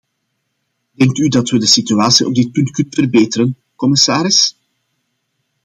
Denkt u dat we de situatie op dit punt kunnen verbeteren, commissaris?